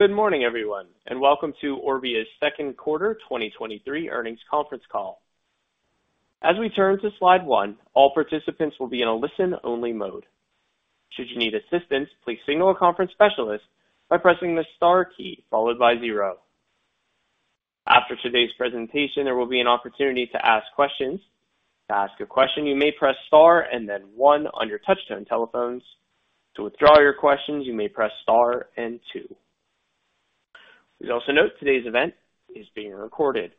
Good morning, everyone, and welcome to Orbia's second quarter 2023 earnings conference call. As we turn to slide one, all participants will be in a listen-only mode. Should you need assistance, please signal a conference specialist by pressing the star key followed by 0. After today's presentation, there will be an opportunity to ask questions. To ask a question, you may press star and then one on your touch-tone telephones. To withdraw your questions, you may press star and two. Please also note today's event is being recorded.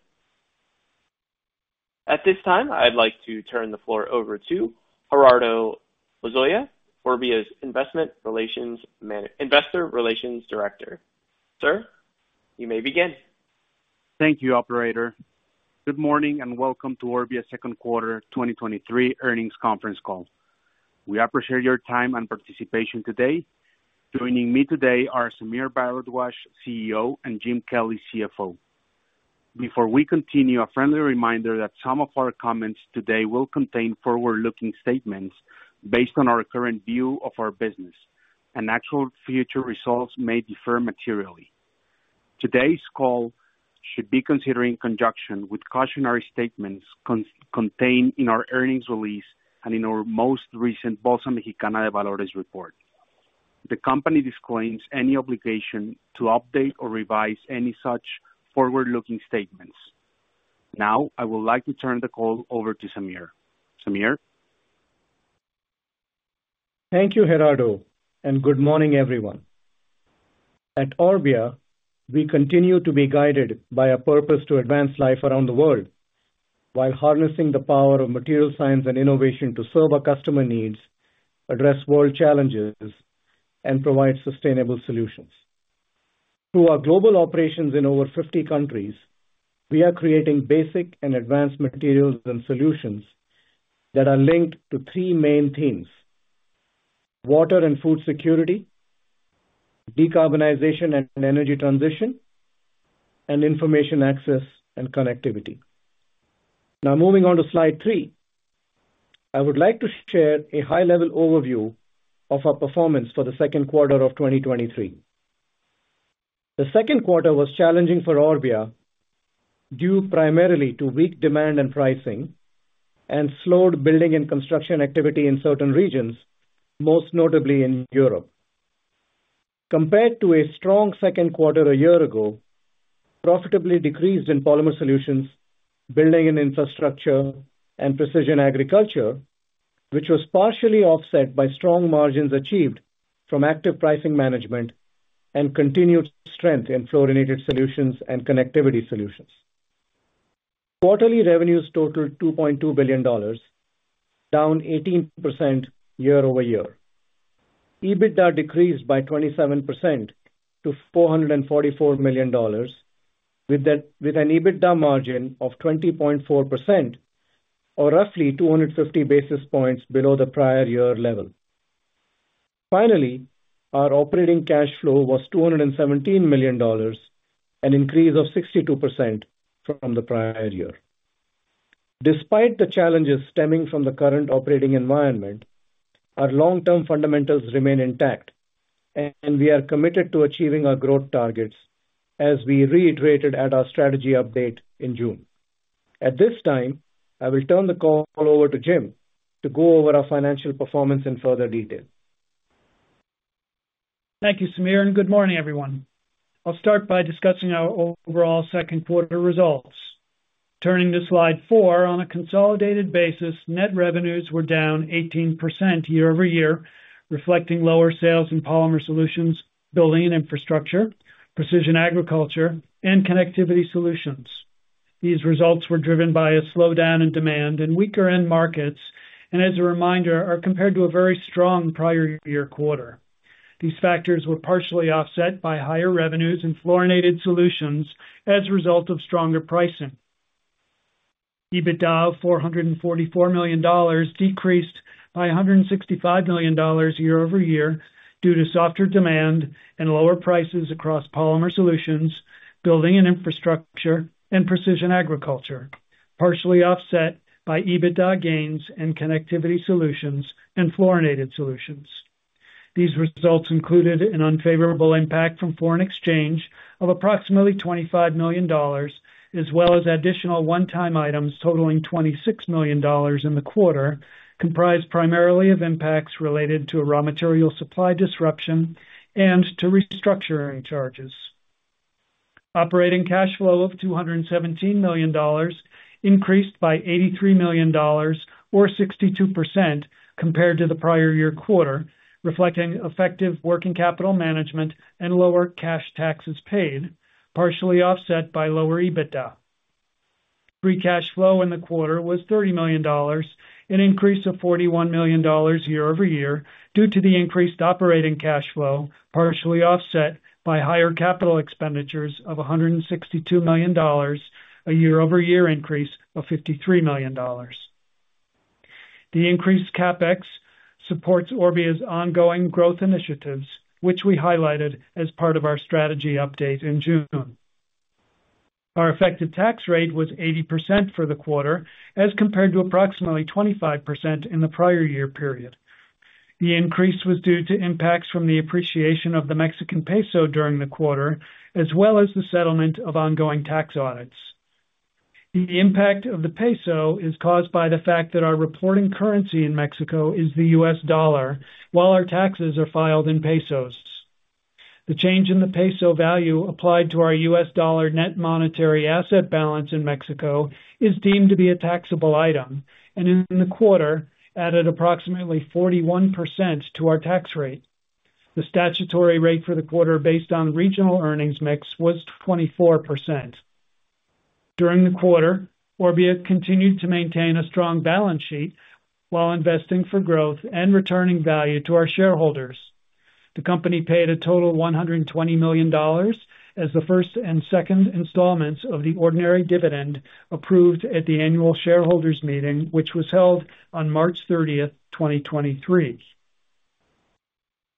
At this time, I'd like to turn the floor over to Gerardo Lozoya, Orbia's Investor Relations Director. Sir, you may begin. Thank you, Operator. Good morning, welcome to Orbia's second quarter 2023 earnings conference call. We appreciate your time and participation today. Joining me today are Sameer Bharadwaj, CEO, and Jim Kelly, CFO. Before we continue, a friendly reminder that some of our comments today will contain forward-looking statements based on our current view of our business, and actual future results may differ materially. Today's call should be considered in conjunction with cautionary statements contained in our earnings release and in our most recent Bolsa Mexicana de Valores report. The company disclaims any obligation to update or revise any such forward-looking statements. Now, I would like to turn the call over to Sameer. Sameer? Thank you, Gerardo, and good morning, everyone. At Orbia, we continue to be guided by a purpose to advance life around the world, while harnessing the power of Material Science and Innovation to serve our Customer needs, address world challenges, and provide Sustainable solutions. Through our Global Operations in over 50 countries, we are creating basic and advanced materials and solutions that are linked to three main themes: Water and Food Security, Decarbonization and Energy Transition, and Information Access and Connectivity. Now, moving on to slide three. I would like to share a high-level overview of our performance for the second quarter of 2023. The second quarter was challenging for Orbia, due primarily to weak demand and pricing and slowed building and construction activity in certain regions, most notably in Europe. Compared to a strong second quarter a year ago, profitably decreased in Polymer Solutions, Building and Infrastructure, and Precision Agriculture, which was partially offset by strong margins achieved from active pricing management and continued strength in Fluorinated Solutions and Connectivity Solutions. Quarterly revenues totaled $2.2 billion, down 18% year-over-year. EBITDA decreased by 27% to $444 million, with an EBITDA margin of 20.4% or roughly 250 basis points below the prior year level. Finally, our operating cash flow was $217 million, an increase of 62% from the prior year. Despite the challenges stemming from the current operating environment, our long-term fundamentals remain intact, and we are committed to achieving our growth targets as we reiterated at our strategy update in June. At this time, I will turn the call over to Jim to go over our financial performance in further detail. Thank you, Sameer, and good morning, everyone. I'll start by discussing our overall second-quarter results. Turning to slide four. On a consolidated basis, net revenues were down 18% year-over-year, reflecting lower sales in Polymer Solutions, Building and Infrastructure, Precision Agriculture, and Connectivity Solutions. These results were driven by a slowdown in demand and weaker end markets, and as a reminder, are compared to a very strong prior year quarter. These factors were partially offset by higher revenues in Fluorinated Solutions as a result of stronger pricing. EBITDA of $444 million decreased by $165 million year-over-year due to softer demand and lower prices across Polymer Solutions, Building and Infrastructure, and Precision Agriculture, partially offset by EBITDA gains and Connectivity Solutions and Fluorinated Solutions. These results included an unfavorable impact from foreign exchange of approximately $25 million, as well as additional one-time items totaling $26 million in the quarter, comprised primarily of impacts related to a raw material supply disruption and to restructuring charges. Operating cash flow of $217 million increased by $83 million or 62% compared to the prior year quarter, reflecting effective working Capital Management and lower cash taxes paid, partially offset by lower EBITDA. Free cash flow in the quarter was $30 million, an increase of $41 million year-over-year due to the increased operating cash flow, partially offset by higher capital expenditures of $162 million, a year-over-year increase of $53 million. The increased CapEx supports Orbia's ongoing growth initiatives, which we highlighted as part of our strategy update in June. Our effective tax rate was 80% for the quarter, as compared to approximately 25% in the prior year period. The increase was due to impacts from the appreciation of the Mexican peso during the quarter, as well as the settlement of ongoing tax audits. The impact of the peso is caused by the fact that our reporting currency in Mexico is the U.S. dollar, while our taxes are filed in pesos. The change in the peso value applied to our U.S. dollar net monetary asset balance in Mexico is deemed to be a taxable item, and in the quarter, added approximately 41% to our tax rate. The statutory rate for the quarter, based on regional earnings mix, was 24%. During the quarter, Orbia continued to maintain a strong balance sheet while investing for growth and returning value to our Shareholders. The company paid a total of $120 million as the first and second installments of the ordinary dividend approved at the annual Shareholders meeting, which was held on March 30th, 2023.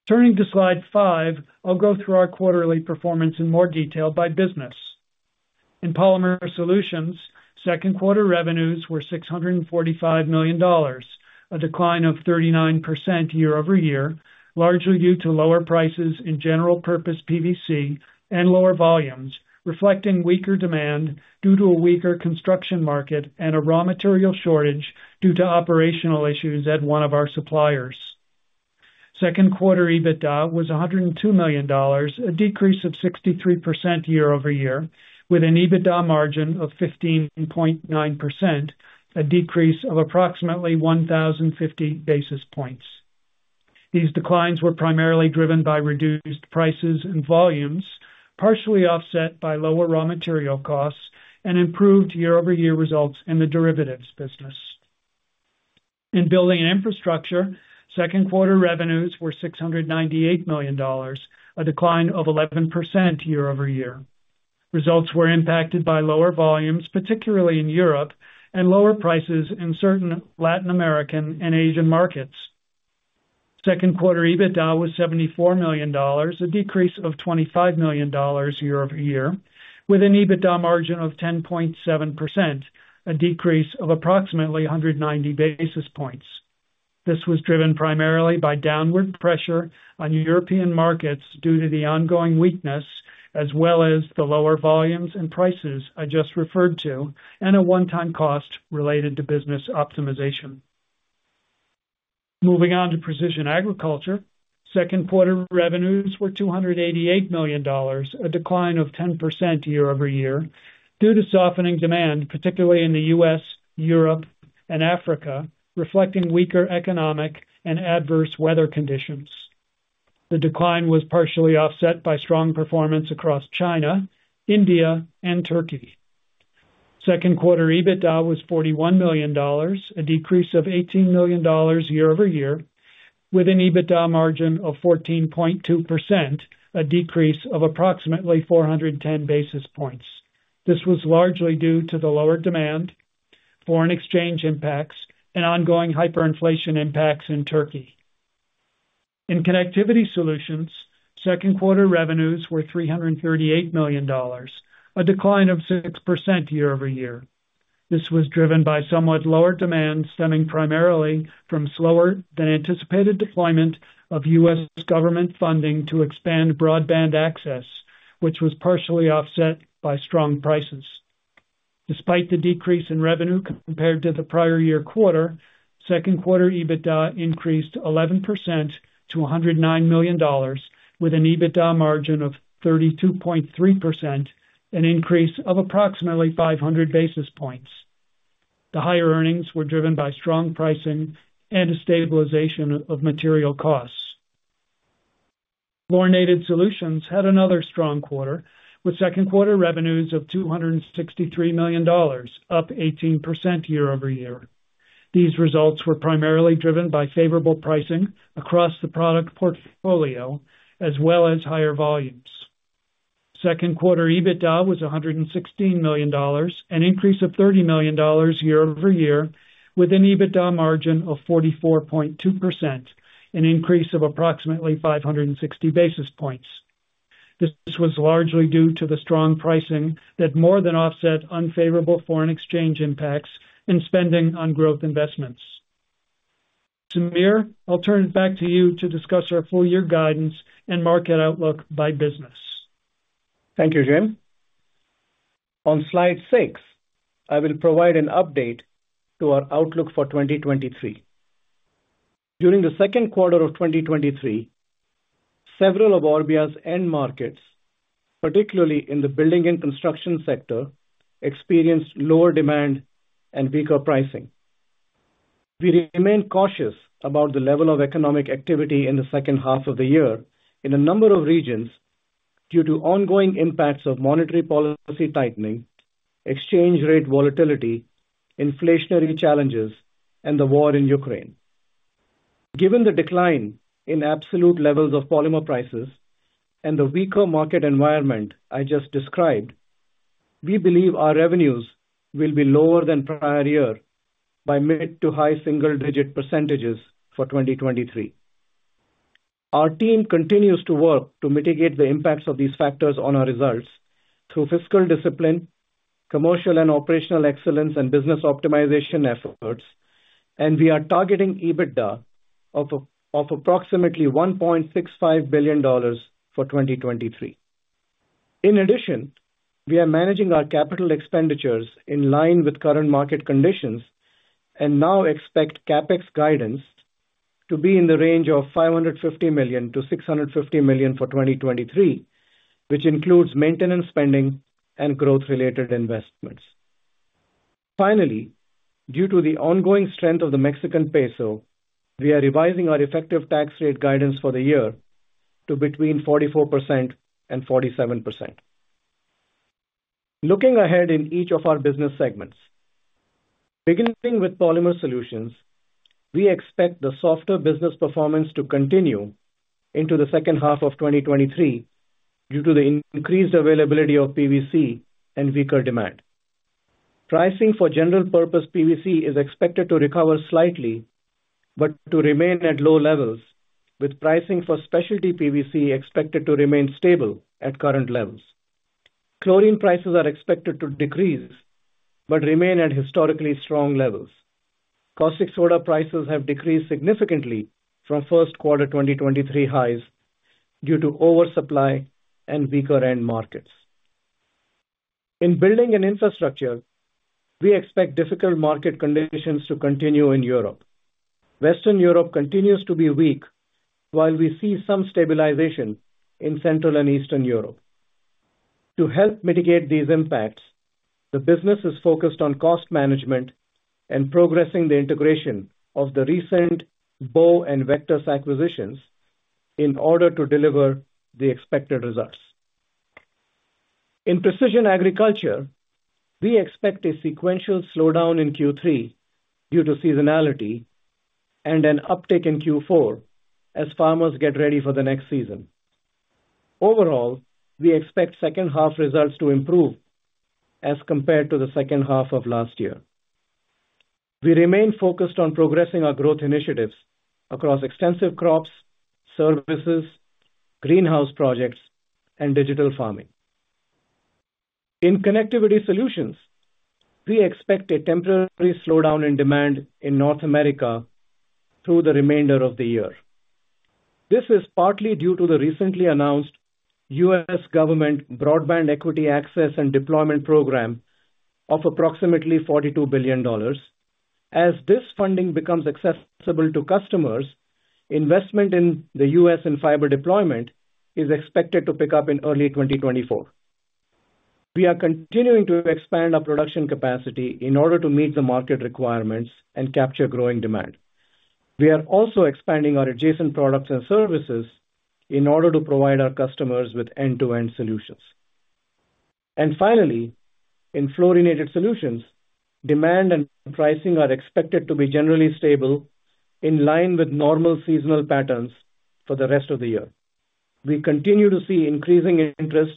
Turning to slide five, I'll go through our quarterly performance in more detail by business. In Polymer Solutions, second quarter revenues were $645 million, a decline of 39% year-over-year, largely due to lower prices in general purpose PVC and lower volumes, reflecting weaker demand due to a weaker construction market and a raw material shortage due to operational issues at one of our suppliers. Second quarter EBITDA was $102 million, a decrease of 63% year-over-year, with an EBITDA margin of 15.9%, a decrease of approximately 1,050 basis points. These declines were primarily driven by reduced prices and volumes, partially offset by lower raw material costs and improved year-over-year results in the derivatives business. In Building and Infrastructure, second quarter revenues were $698 million, a decline of 11% year-over-year. Results were impacted by lower volumes, particularly in Europe, and lower prices in certain Latin American and Asian markets. Second quarter EBITDA was $74 million, a decrease of $25 million year-over-year, with an EBITDA margin of 10.7%, a decrease of approximately 190 basis points. This was driven primarily by downward pressure on European markets due to the ongoing weakness, as well as the lower volumes and prices I just referred to, and a one-time cost related to business optimization. Moving on to Precision Agriculture. Second quarter revenues were $288 million, a decline of 10% year-over-year, due to softening demand, particularly in the U.S., Europe, and Africa, reflecting weaker economic and adverse weather conditions. The decline was partially offset by strong performance across China, India, and Turkey. Second quarter EBITDA was $41 million, a decrease of $18 million year-over-year, with an EBITDA margin of 14.2%, a decrease of approximately 410 basis points. This was largely due to the lower demand, foreign exchange impacts, and ongoing hyperinflation impacts in Turkey. In Connectivity Solutions, second quarter revenues were $338 million, a decline of 6% year-over-year. This was driven by somewhat lower demand, stemming primarily from slower than anticipated deployment of U.S. government funding to expand broadband access, which was partially offset by strong prices. Despite the decrease in revenue compared to the prior year quarter, second quarter EBITDA increased 11% to $109 million, with an EBITDA margin of 32.3%, an increase of approximately 500 basis points. The higher earnings were driven by strong pricing and a stabilization of material costs. Fluorinated Solutions had another strong quarter, with second quarter revenues of $263 million, up 18% year-over-year. These results were primarily driven by favorable pricing across the Product Portfolio, as well as higher volumes. Second quarter EBITDA was $116 million, an increase of $30 million year-over-year, with an EBITDA margin of 44.2%, an increase of approximately 560 basis points. This was largely due to the strong pricing that more than offset unfavorable foreign exchange impacts and spending on growth investments. Sameer, I'll turn it back to you to discuss our full year guidance and market outlook by business. Thank you, Jim. On slide 6, I will provide an update to our outlook for 2023. During the second quarter of 2023, several of Orbia's end markets, particularly in the building and construction sector, experienced lower demand and weaker pricing. We remain cautious about the level of economic activity in the second half of the year in a number of regions due to ongoing impacts of monetary policy tightening, exchange rate volatility, inflationary challenges, and the war in Ukraine. Given the decline in absolute levels of polymer prices and the weaker market environment I just described, we believe our revenues will be lower than prior year by mid to high single digit % for 2023. Our team continues to work to mitigate the impacts of these factors on our results through fiscal discipline, commercial and operational excellence, and business optimization efforts. We are targeting EBITDA of approximately $1.65 billion for 2023. In addition, we are managing our capital expenditures in line with current market conditions and now expect CapEx guidance to be in the range of $550 million-$650 million for 2023, which includes maintenance, spending, and growth-related investments. Finally, due to the ongoing strength of the Mexican peso, we are revising our effective tax rate guidance for the year to between 44% and 47%. Looking ahead in each of our business segments. Beginning with Polymer Solutions, we expect the softer business performance to continue into the second half of 2023 due to the increased availability of PVC and weaker demand. Pricing for general purpose PVC is expected to recover slightly, but to remain at low levels, with pricing for specialty PVC expected to remain stable at current levels. Chlorine prices are expected to decrease, but remain at historically strong levels. Caustic soda prices have decreased significantly from first quarter 2023 highs due to oversupply and weaker end markets. In Building and Infrastructure, we expect difficult market conditions to continue in Europe. Western Europe continues to be weak, while we see some stabilization in Central and Eastern Europe. To help mitigate these impacts, the business is focused on cost management and progressing the integration of the recent Bow and Vectus acquisitions in order to deliver the expected results. In Precision Agriculture, we expect a sequential slowdown in Q3 due to seasonality and an uptick in Q4 as farmers get ready for the next season. Overall, we expect second half results to improve as compared to the second half of last year. We remain focused on progressing our growth initiatives across extensive Crops, Services, Greenhouse Projects, and digital farming. In Connectivity Solutions, we expect a temporary slowdown in demand in North America through the remainder of the year. This is partly due to the recently announced U.S. Government Broadband Equity, Access, and Deployment program of approximately $42 billion. As this funding becomes accessible to customers, investment in the U.S. and fiber deployment is expected to pick up in early 2024. We are continuing to expand our production capacity in order to meet the market requirements and capture growing demand. We are also expanding our adjacent products and services in order to provide our customers with end-to-end solutions. In Fluorinated Solutions, demand and pricing are expected to be generally stable, in line with normal seasonal patterns for the rest of the year. We continue to see increasing interest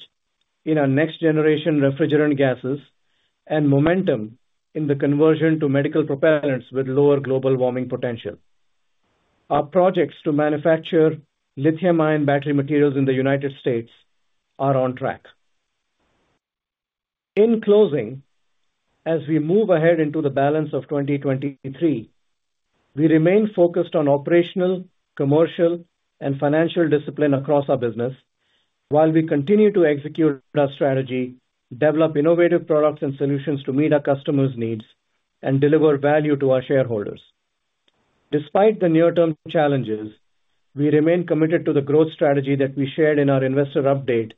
in our next-generation refrigerant gases and momentum in the conversion to medical propellants with lower global warming potential. Our projects to manufacture lithium-ion battery materials in the United States are on track. As we move ahead into the balance of 2023, we remain focused on operational, commercial, and financial discipline across our business, while we continue to execute our strategy, develop innovative products and solutions to meet our customers' needs, and deliver value to our Shareholders. Despite the near-term challenges, we remain committed to the growth strategy that we shared in our investor update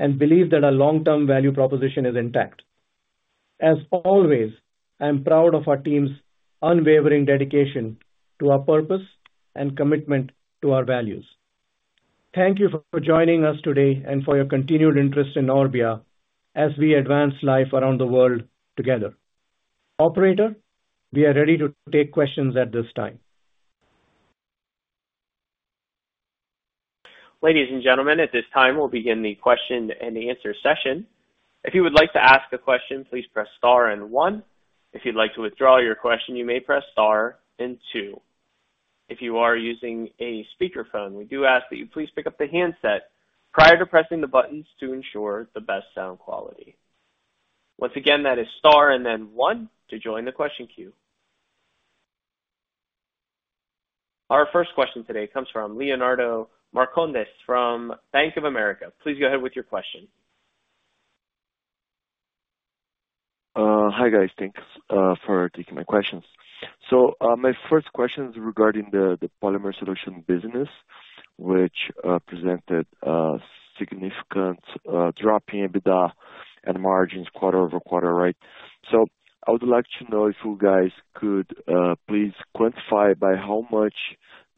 and believe that our long-term value proposition is intact. As always, I am proud of our team's unwavering dedication to our purpose and commitment to our values. Thank you for joining us today and for your continued interest in Orbia as we advance life around the world together. Operator, we are ready to take questions at this time. Ladies and gentlemen, at this time, we'll begin the question-and-answer session. If you would like to ask a question, please press star and one. If you'd like to withdraw your question, you may press star and two. If you are using a Speakerphone, we do ask that you please pick up the handset prior to pressing the buttons to ensure the best sound quality. Once again, that is star and then one to join the question queue. Our first question today comes from Leonardo Marcondes, from Bank of America. Please go ahead with your question. Hi, guys. Thanks for taking my questions. My first question is regarding the Polymer Solutions business, which presented a significant drop in EBITDA and margins quarter-over-quarter, right? I would like to know if you guys could please quantify by how much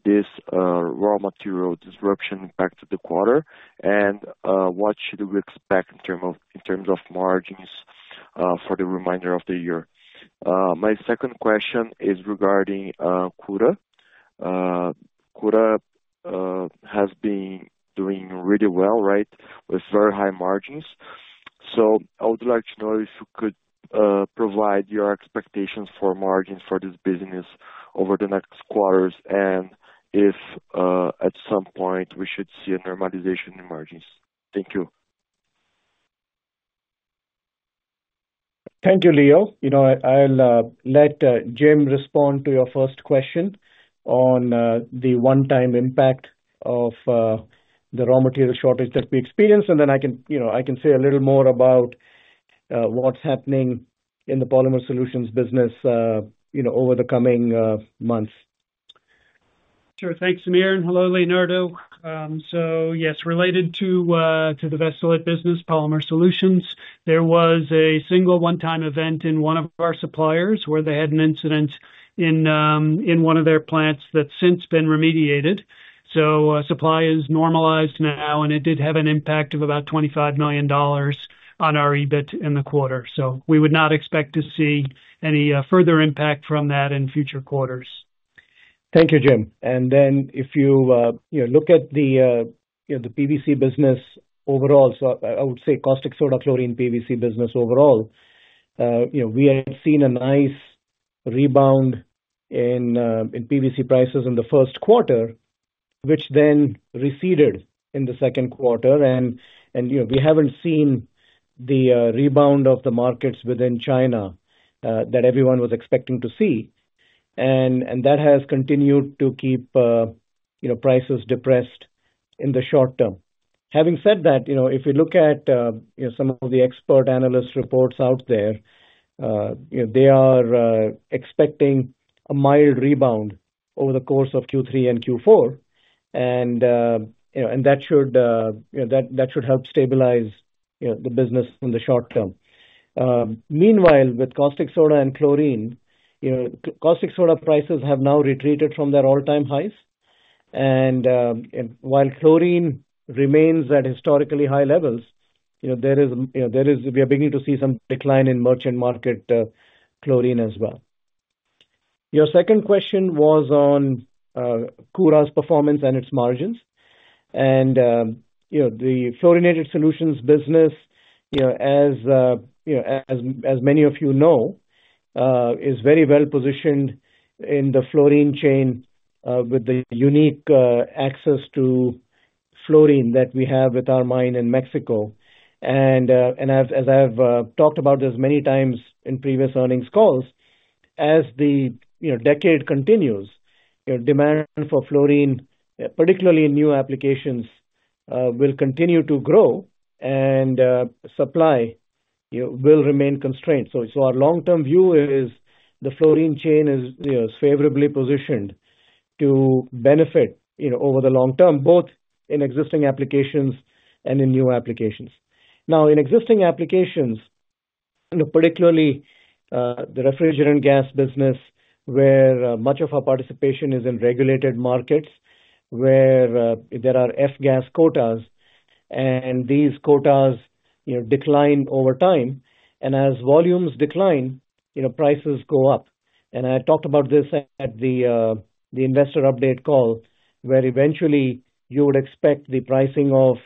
this raw material disruption impacted the quarter, and what should we expect in terms of margins for the remainder of the year? My second question is regarding Koura. Koura has been doing really well, right, with very high margins. I would like to know if you could provide your expectations for margins for this business over the next quarters, and if at some point we should see a normalization in margins. Thank you. Thank you, Leo. You know, I'll let Jim respond to your first question on the one-time impact of the raw material shortage that we experienced, and then I can, you know, I can say a little more about what's happening in the Polymer Solutions business, you know, over the coming months. Sure. Thanks, Sameer, and hello, Leonardo. Yes, related to the Vestolit business, Polymer Solutions, there was a single one-time event in one of our suppliers, where they had an incident in one of their plants that's since been remediated. Supply is normalized now, and it did have an impact of about $25 million on our EBIT in the quarter. We would not expect to see any further impact from that in future quarters. Thank you, Jim. If you, you know, look at the, you know, the PVC business overall, so I, I would say caustic soda chlorine PVC business overall, you know, we have seen a nice rebound in PVC prices in the first quarter, which then receded in the second quarter. You know, we haven't seen the rebound of the markets within China that everyone was expecting to see. That has continued to keep, you know, prices depressed in the short term. Having said that, you know, if you look at, you know, some of the expert analyst reports out there, you know, they are expecting a mild rebound over the course of Q3 and Q4. You know, that should help stabilize, you know, the business in the short term. Meanwhile, with caustic soda and chlorine, you know, caustic soda prices have now retreated from their all-time highs. While chlorine remains at historically high levels, you know, there is, we are beginning to see some decline in merchant market Chlorine as well. Your second question was on Koura's performance and its margins. You know, the Fluorinated Solutions business, you know, as, you know, as many of you know, is very well positioned in the Fluorine Chain with the unique access to Fluorine that we have with our mine in Mexico. As I have talked about this many times in previous earnings calls, as the, you know, decade continues, you know, demand for Fluorine, particularly in new applications, will continue to grow and supply, you know, will remain constrained. Our long-term view is the Fluorine Chain is, you know, is favorably positioned to benefit, you know, over the long term, both in existing applications and in new applications. In existing applications, you know, particularly the refrigerant gas business, where much of our participation is in regulated markets, where there are F-gas quotas, and these quotas, you know, decline over time. As volumes decline, you know, prices go up. I talked about this at the investor update call, where eventually you would expect the pricing of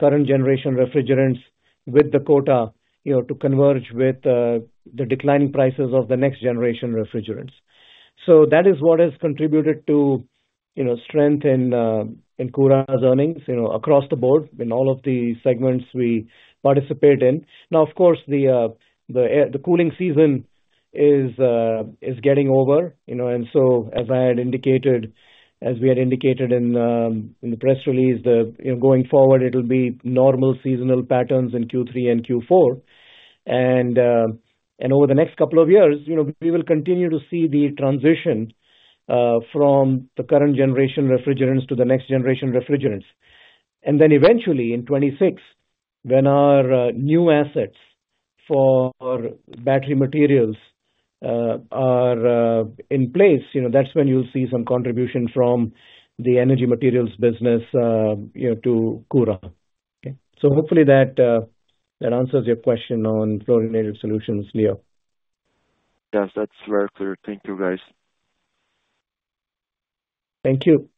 current generation refrigerants with the quota, you know, to converge with the declining prices of the next generation refrigerants. That is what has contributed to, you know, strength in Koura's earnings, you know, across the board, in all of the segments we participate in. Of course, the air, the cooling season is getting over, you know, as I had indicated, as we had indicated in the press release, you know, going forward, it'll be normal seasonal patterns in Q3 and Q4. Over the next couple of years, you know, we will continue to see the transition from the current generation refrigerants to the next generation refrigerants. Eventually, in 2026, when our new assets for battery materials are in place, you know, that's when you'll see some contribution from the energy materials business, you know, to Koura, okay? Hopefully that answers your question on Fluorinated Solutions, Leo. Yes, that's very clear. Thank you, guys. Thank you.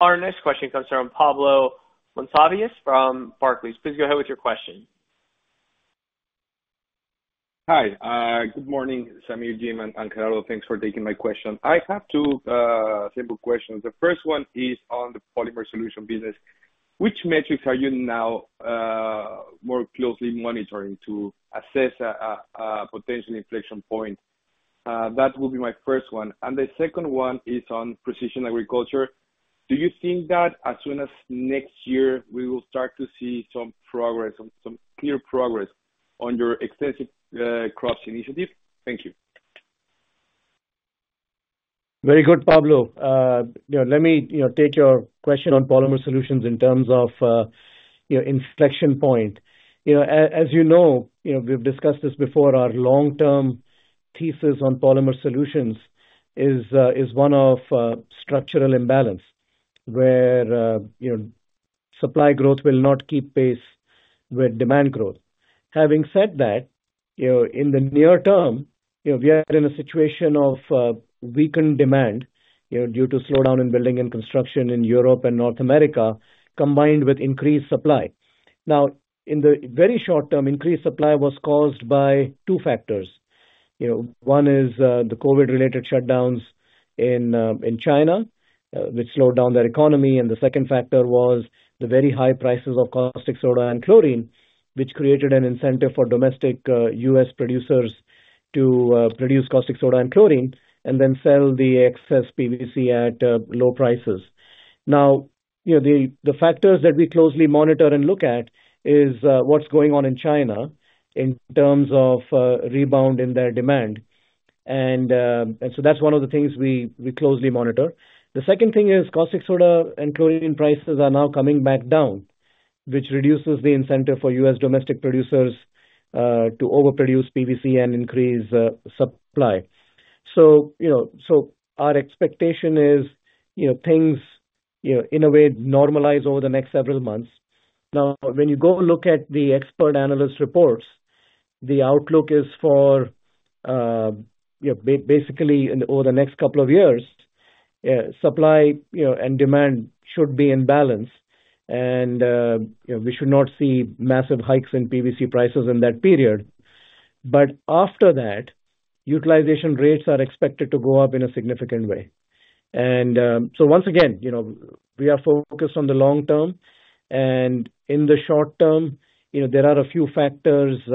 Our next question comes from Pablo Monsivais from Barclays. Please go ahead with your question. Hi, good morning, Sameer, Jim, and Carlo. Thanks for taking my question. I have two simple questions. The first one is on the Polymer Solutions business. Which metrics are you now more closely monitoring to assess a potential inflection point? That will be my first one. The second one is on Precision Agriculture. Do you think that as soon as next year, we will start to see some progress, some clear progress on your extensive crops initiative? Thank you. Very good, Pablo. You know, let me, you know, take your question on Polymer Solutions in terms of, you know, inflection point. You know, as you know, you know, we've discussed this before, our long-term thesis on Polymer Solutions is, is one of, structural imbalance, where, you know, supply growth will not keep pace with demand growth. Having said that, you know, in the near term, you know, we are in a situation of, weakened demand, you know, due to slowdown in building and construction in Europe and North America, combined with increased supply. Now, in the very short term, increased supply was caused by two factors. You know, one is the COVID-related shutdowns in China, which slowed down their economy. The second factor was the very high prices of caustic soda and chlorine, which created an incentive for domestic US producers to produce caustic soda and chlorine and then sell the excess PVC at low prices. Now, you know, the factors that we closely monitor and look at is what's going on in China in terms of rebound in their demand. That's one of the things we closely monitor. The second thing is caustic soda and chlorine prices are now coming back down, which reduces the incentive for US domestic producers to overproduce PVC and increase supply. You know, our expectation is, you know, things, you know, in a way, normalize over the next several months. Now, when you go look at the expert analyst reports, the outlook is for basically, and over the next couple of years, supply, you know, and demand should be in balance, you know, we should not see massive hikes in PVC prices in that period. After that, utilization rates are expected to go up in a significant way. Once again, you know, we are focused on the long term, and in the short term, you know, there are a few factors, you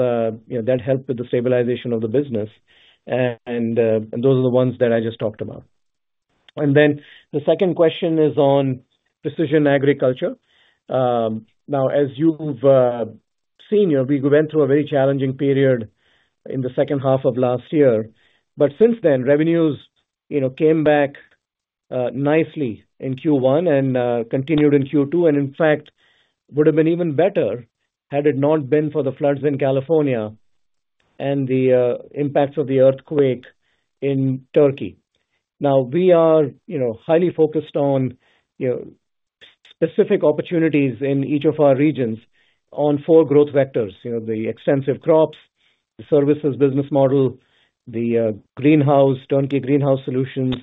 know, that help with the stabilization of the business, and those are the ones that I just talked about. Then the second question is on precision agriculture. Now, as you've seen, you know, we went through a very challenging period in the second half of last year. Since then, revenues, you know, came back nicely in Q1 and continued in Q2, and in fact, would have been even better had it not been for the floods in California and the impacts of the earthquake in Turkey. Now, we are, you know, highly focused on, you know, specific opportunities in each of our regions on four growth Vectus: you know, the extensive crops, the services business model, the greenhouse, turnkey greenhouse solutions,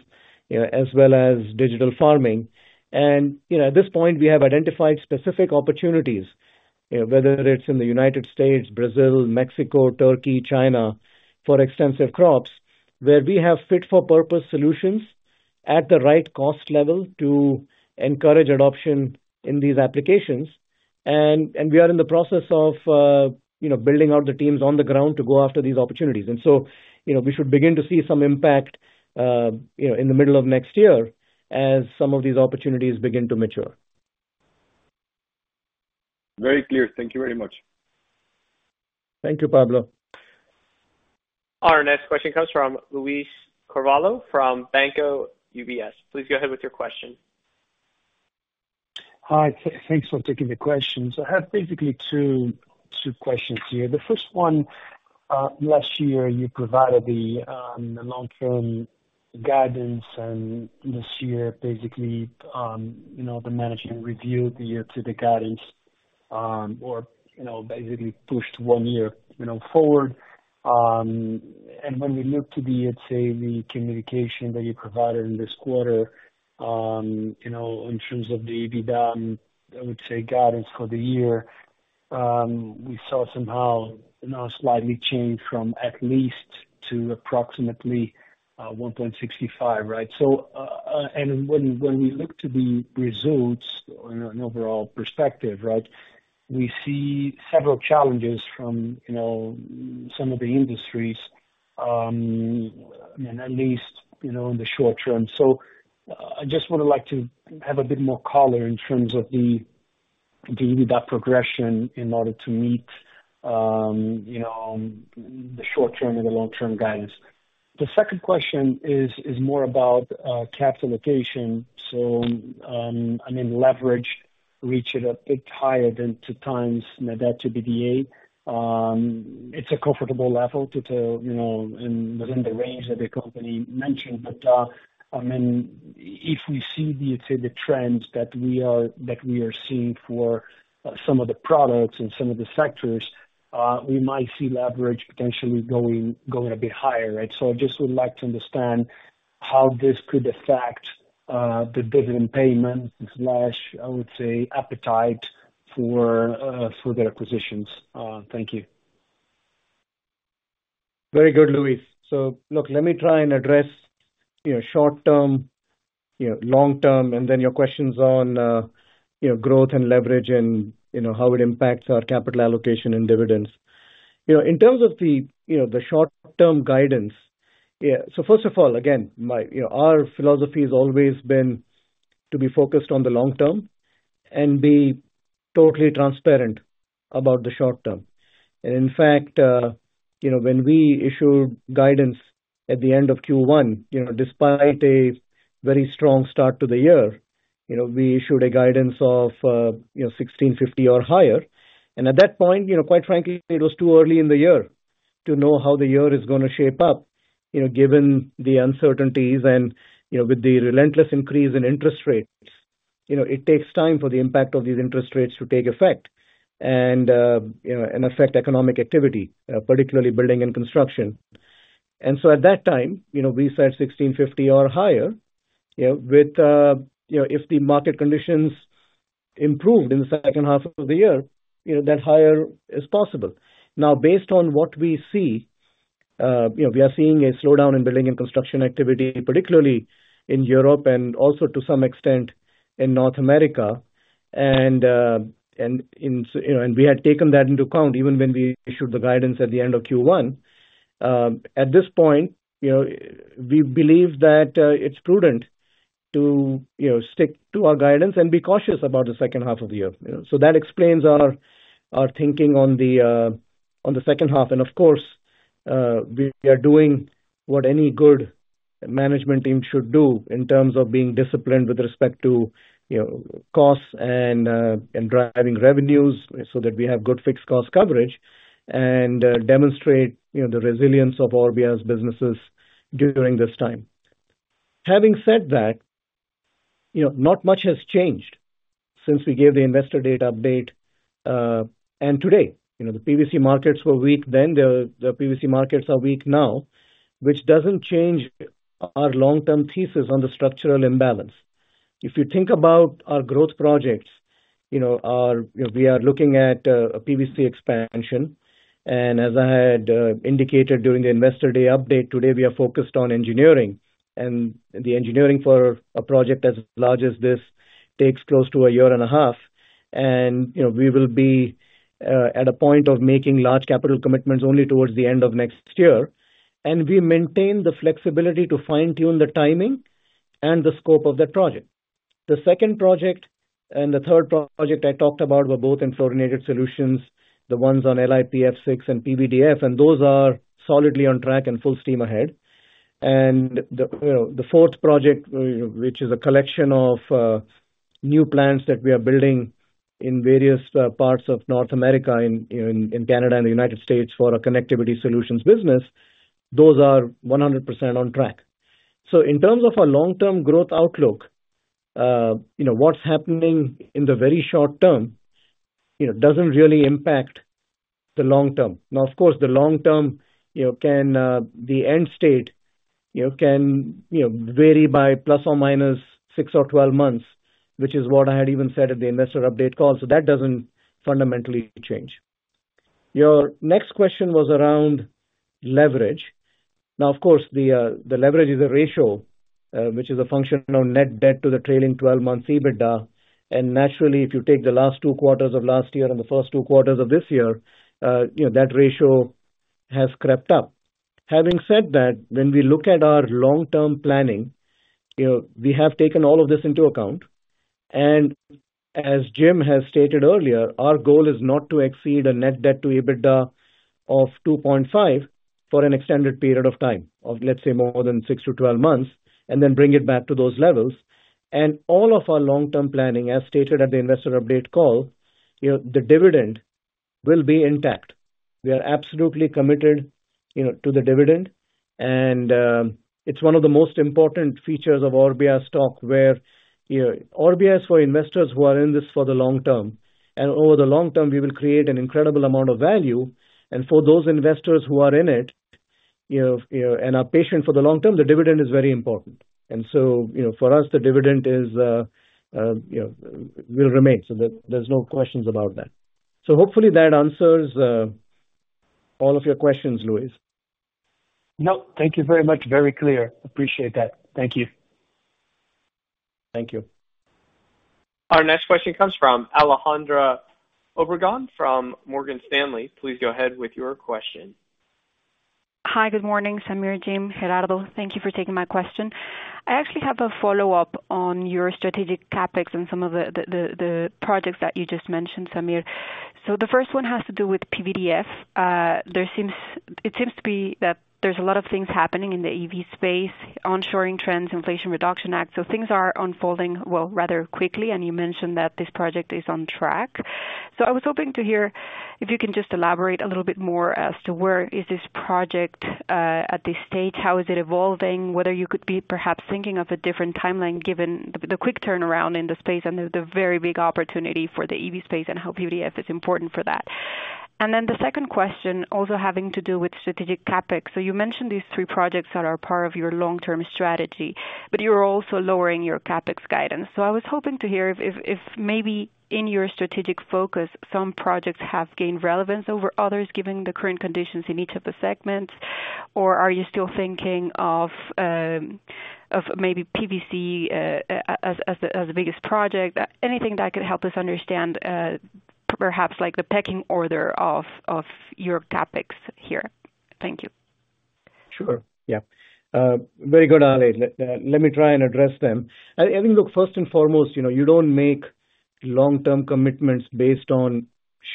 you know, as well as digital farming. You know, at this point, we have identified specific opportunities, you know, whether it's in the United States, Brazil, Mexico, Turkey, China, for extensive crops, where we have fit-for-purpose solutions at the right cost level to encourage adoption in these applications. We are in the process of, you know, building out the teams on the ground to go after these opportunities. We should begin to see some impact, you know, in the middle of next year as some of these opportunities begin to mature. Very clear. Thank you very much. Thank you, Pablo. Our next question comes from Luiz Carvalho from UBS. Please go ahead with your question. Hi, thanks for taking the questions. I have basically two questions here. The first one, last year, you provided the long-term guidance. This year, basically, you know, the management reviewed the year to the guidance, or, you know, basically pushed one year, you know, forward. When we look to the, let's say, the communication that you provided in this quarter, you know, in terms of the EBITDA, I would say, guidance for the year, we saw somehow now slightly changed from at least to approximately $1.65, right? When we look to the results on an overall perspective, right, we see several challenges from, you know, some of the industries, at least, you know, in the short term. I just would like to have a bit more color in terms of the EBITDA progression in order to meet, you know, the short-term and the long-term guidance. The second question is more about capital allocation. I mean, leverage reached a bit higher than 2x net debt to EBITDA. It's a comfortable level to tell, you know, within the range that the company mentioned. I mean, if we see, let's say, the trends that we are seeing for some of the products and some of the sectors, we might see leverage potentially going a bit higher, right? I just would like to understand how this could affect the dividend payment, I would say, appetite for further acquisitions. Thank you. Very good, Luiz. Look, let me try and address, you know, short term, you know, long term, and then your questions on, you know, growth and leverage and, you know, how it impacts our capital allocation and dividends. You know, in terms of the short-term guidance. Yeah. First of all, again, our philosophy has always been to be focused on the long term and be totally transparent about the short term. In fact, when we issued guidance at the end of Q1, you know, despite a very strong start to the year, you know, we issued a guidance of, you know, $1,650 or higher. At that point, you know, quite frankly, it was too early in the year to know how the year is gonna shape up, you know, given the uncertainties and, you know, with the relentless increase in interest rates. You know, it takes time for the impact of these interest rates to take effect and, you know, and affect economic activity, particularly building and construction. At that time, you know, we said $1,650 or higher, you know, with, you know, if the market conditions improved in the second half of the year, you know, that higher is possible. Based on what we see, you know, we are seeing a slowdown in building and construction activity, particularly in Europe and also to some extent in North America. We had taken that into account even when we issued the guidance at the end of Q1. At this point, you know, we believe that it's prudent to, you know, stick to our guidance and be cautious about the second half of the year. That explains our thinking on the second half. Of course, we are doing what any good management team should do in terms of being disciplined with respect to, you know, costs and driving revenues so that we have good fixed cost coverage and demonstrate, you know, the resilience of Orbia's businesses during this time. Having said that, you know, not much has changed since we gave the investor data update. Today, you know, the PVC markets were weak then, the PVC markets are weak now, which doesn't change our long-term thesis on the structural imbalance. If you think about our growth projects, you know, we are looking at a PVC expansion, as I had indicated during the Investor Day update, today we are focused on Engineering. The Engineering for a project as large as this takes close to a year and a half. You know, we will be at a point of making large capital commitments only towards the end of next year. We maintain the flexibility to fine-tune the timing and the scope of that project. The second project and the third project I talked about were both in Fluorinated Solutions, the ones on LiPF6 and PVDF, those are solidly on track and full steam ahead. The, you know, the fourth project, which is a collection of new plants that we are building in various parts of North America, in Canada, and the United States, for our Connectivity Solutions business, those are 100% on track. In terms of our long-term growth outlook, you know, what's happening in the very short term, you know, doesn't really impact the long term. Of course, the long term, you know, can, the end state, you know, can, you know, vary by ±6 or 12 months, which is what I had even said at the investor update call. That doesn't fundamentally change. Your next question was around leverage. Of course, the leverage is a ratio, which is a function of net debt to the trailing twelve-month EBITDA. Naturally, if you take the last two quarters of last year and the first two quarters of this year, you know, that ratio has crept up. Having said that, when we look at our long-term planning, you know, we have taken all of this into account, and as Jim has stated earlier, our goal is not to exceed a net debt to EBITDA of 2.5 for an extended period of time, of let's say, more than 6-12 months, and then bring it back to those levels. All of our long-term planning, as stated at the investor update call, you know, the dividend will be intact. We are absolutely committed, you know, to the dividend, and it's one of the most important features of Orbia's stock, where, you know, Orbia is for investors who are in this for the long term. Over the long term, we will create an incredible amount of value. For those investors who are in it, you know, and are patient for the long term, the dividend is very important. You know, for us, the dividend is, you know, will remain. There's no questions about that. Hopefully that answers all of your questions, Luiz. Nope. Thank you very much. Very clear. Appreciate that. Thank you. Thank you. Our next question comes from Alejandra Obregon, from Morgan Stanley. Please go ahead with your question. Hi, good morning, Sameer, Jim, Gerardo. Thank you for taking my question. I actually have a follow-up on your strategic CapEx and some of the projects that you just mentioned, Sameer. The first one has to do with PVDF. It seems to be that there's a lot of things happening in the EV space, onshoring trends, Inflation Reduction Act. Things are unfolding, well, rather quickly, and you mentioned that this project is on track. I was hoping to hear if you can just elaborate a little bit more as to where is this project at this stage, how is it evolving, whether you could be perhaps thinking of a different timeline, given the quick turnaround in the space and the very big opportunity for the EV space and how PVDF is important for that. The second question, also having to do with strategic CapEx. You mentioned these three projects that are part of your long-term strategy, but you're also lowering your CapEx guidance. I was hoping to hear if maybe in your strategic focus, some projects have gained relevance over others, given the current conditions in each of the segments, or are you still thinking of maybe PVC as the biggest project? Anything that could help us understand perhaps like the pecking order of your CapEx here. Thank you. Sure. Yeah. Very good, Ale. Let me try and address them. I mean, look, first and foremost, you know, you don't make long-term commitments based on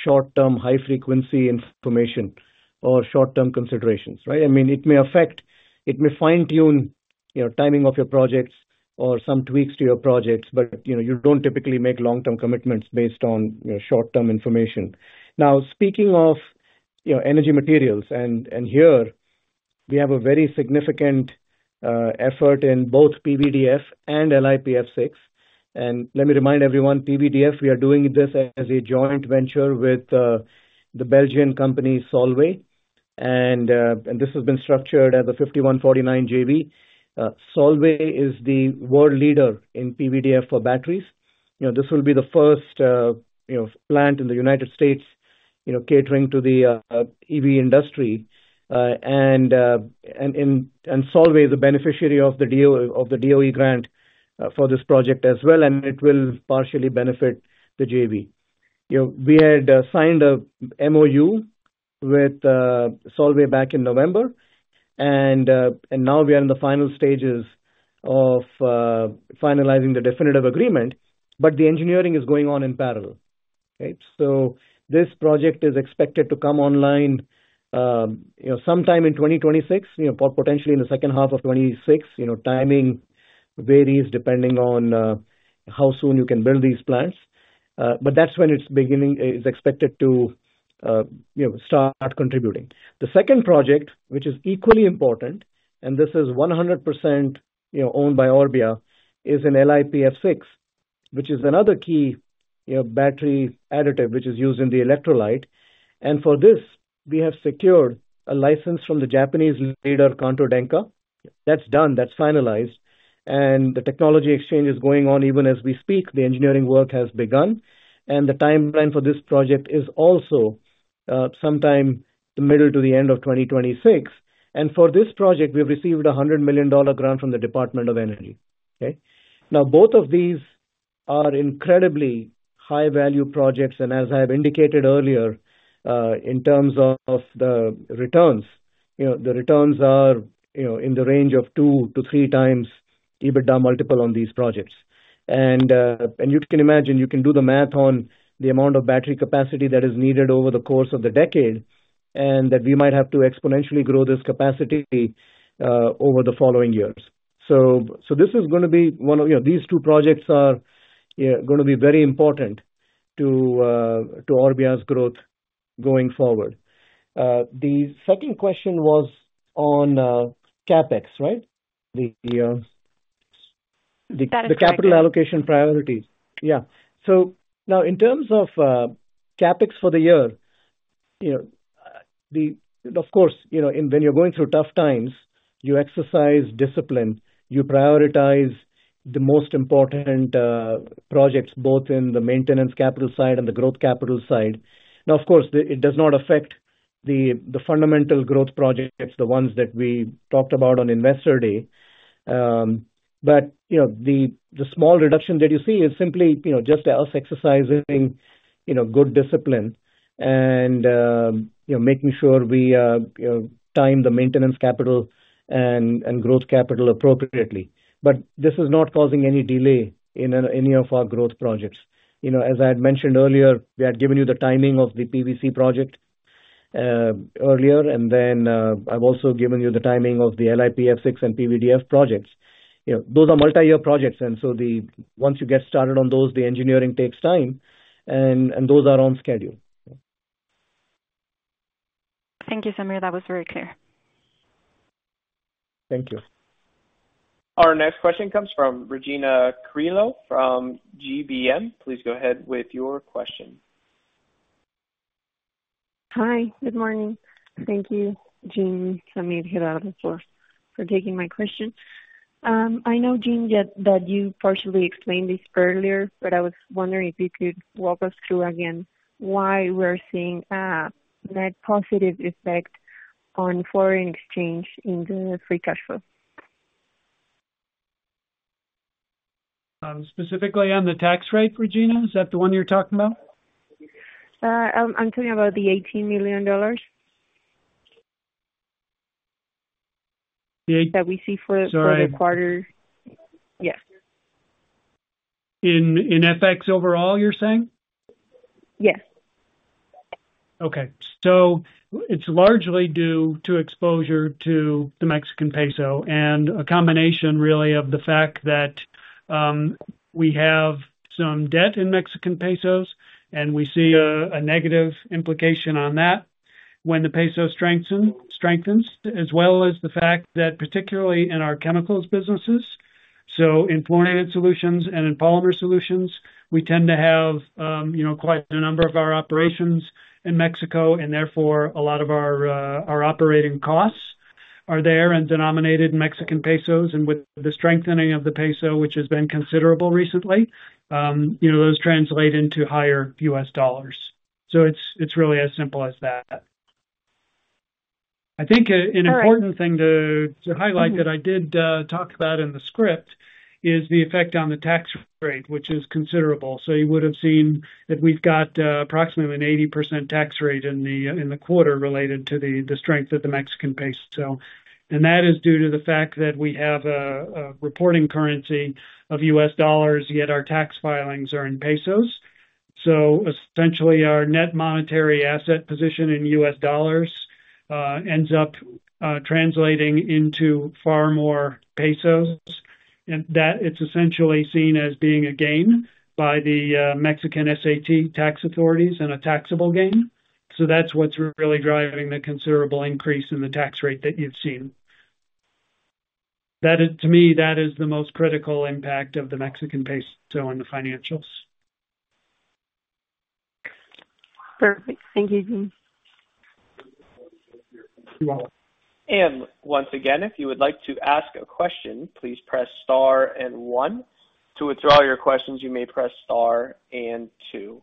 short-term, high-frequency information or short-term considerations, right? I mean, it may affect, it may fine-tune, you know, timing of your projects or some tweaks to your projects, but, you know, you don't typically make long-term commitments based on, you know, short-term information. Speaking of, you know, energy materials, we have a very significant effort in both PVDF and LiPF6. Let me remind everyone, PVDF, we are doing this as a joint venture with the Belgian company, Solvay. This has been structured as a 51-49 JV. Solvay is the world leader in PVDF for batteries. You know, this will be the first, you know, plant in the United States, you know, catering to the EV industry. Solvay is a beneficiary of the DOE grant for this project as well, and it will partially benefit the JV. You know, we had signed a MOU with Solvay back in November, and now we are in the final stages of finalizing the definitive agreement, but the Engineering is going on in parallel. Okay? This project is expected to come online, you know, sometime in 2026, you know, potentially in the second half of 2026. You know, timing varies depending on how soon you can build these plants. That's when it's expected to, you know, start contributing. The second project, which is equally important, this is 100%, you know, owned by Orbia, is an LiPF6, which is another key, you know, battery additive, which is used in the electrolyte. For this, we have secured a license from the Japanese leader, Kanto Denka Kogyo. That's done, that's finalized, the technology exchange is going on even as we speak. The Engineering work has begun, the timeline for this project is also sometime the middle to the end of 2026. For this project, we've received a $100 million grant from the Department of Energy. Okay? Both of these are incredibly high-value projects, as I have indicated earlier, in terms of the returns, you know, the returns are, you know, in the range of 2x-3x EBITDA multiple on these projects. You can imagine, you can do the math on the amount of battery capacity that is needed over the course of the decade, and that we might have to exponentially grow this capacity over the following years. You know, these two projects are gonna be very important to Orbia's growth going forward. The second question was on CapEx, right? Capital allocation. The capital allocation priority. Yeah. Now in terms of CapEx for the year, you know, of course, you know, when you're going through tough times, you exercise discipline, you prioritize the most important projects, both in the maintenance capital side and the growth capital side. Of course, it does not affect the fundamental growth projects, the ones that we talked about on Investor Day. You know, the small reduction that you see is simply, you know, just us exercising, you know, good discipline and, you know, making sure we, you know, time the maintenance capital and growth capital appropriately. This is not causing any delay in any of our growth projects. You know, as I had mentioned earlier, we had given you the timing of the PVC project earlier. I've also given you the timing of the LiPF6 and PVDF projects. You know, those are multi-year projects. Once you get started on those, the Engineering takes time, and those are on schedule. Thank you, Samir. That was very clear. Thank you. Our next question comes from Regina Carrillo from GBM. Please go ahead with your question. Hi, good morning. Thank you, Jim, Samir, Gerardo for taking my question. I know, Jim, that you partially explained this earlier, but I was wondering if you could walk us through again why we're seeing a net positive effect on foreign exchange in the free cash flow? specifically on the tax rate, Regina? Is that the one you're talking about? I'm talking about the $18 million. The- That we see. Sorry. The quarter. Yes. In FX overall, you're saying? Yes. It's largely due to exposure to the Mexican peso, and a combination, really, of the fact that, we have some debt in Mexican pesos, and we see a, a negative implication on that when the peso strengthens, as well as the fact that, particularly in our chemicals businesses, so in Fluorinated Solutions and in Polymer Solutions, we tend to have, you know, quite a number of our operations in Mexico, and therefore, a lot of our operating costs are there and denominated in Mexican pesos. With the strengthening of the peso, which has been considerable recently, you know, those translate into higher U.S. dollars. It's, it's really as simple as that. I think. All right. important thing to highlight, that I did talk about in the script, is the effect on the tax rate, which is considerable. You would have seen that we've got approximately an 80% tax rate in the quarter related to the strength of the Mexican peso. That is due to the fact that we have a reporting currency of US dollars, yet our tax filings are in Mexican pesos. Essentially, our net monetary asset position in U.S. dollars ends up translating into far more Mexican pesos, and that it's essentially seen as being a gain by the Mexican SAT tax authorities and a taxable gain. That's what's really driving the considerable increase in the tax rate that you've seen. That is, to me, that is the most critical impact of the Mexican peso on the financials. Perfect. Thank you, Jim. You're welcome. If you would like to ask a question, please press star and One. To withdraw your questions, you may press star and two.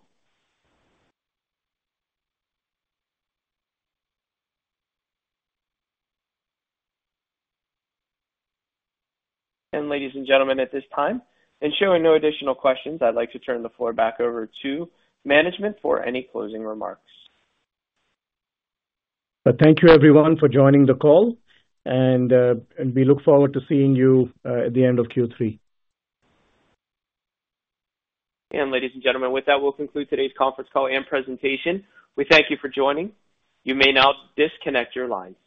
Ladies and gentlemen, at this time, ensuring no additional questions, I'd like to turn the floor back over to management for any closing remarks. Thank you everyone for joining the call, and we look forward to seeing you at the end of Q3. Ladies and gentlemen, with that, we'll conclude today's conference call and presentation. We thank you for joining. You may now disconnect your lines.